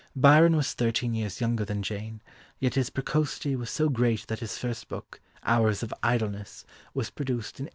Byron was thirteen years younger than Jane, yet his precocity was so great that his first book, Hours of Idleness, was produced in 1807.